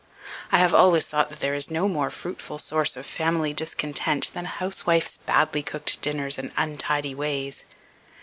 I have always thought that there is no more fruitful source of family discontent than a housewife's badly cooked dinners and untidy ways.